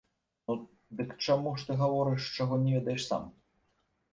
Ну, дык чаму ж ты гаворыш, чаго не ведаеш сам?